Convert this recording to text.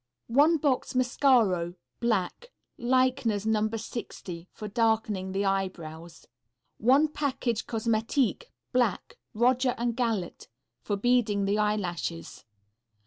One Box Mascaro, Black. Leichner's No. 60. For darkening the eyebrows. One Package Cosmetique, Black. Roger and Gallet. For beading the eyelashes.